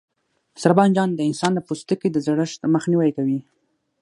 سره بانجان د انسان د پوستکي د زړښت مخنیوی کوي.